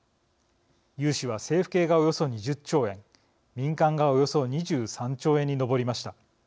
融資は政府系がおよそ２０兆円民間がおよそ２３兆円に上りました。